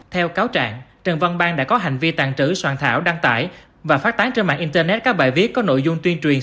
theo cáo trạng trần văn bang đã có hành vi tàn trữ soạn thảo đăng tải và phát tán trên mạng internet các bài viết có nội dung tuyên truyền